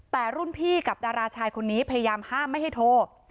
แต่รุ่นพี่กับดาราชายคนนี้พยายามห้ามไม่ให้โทร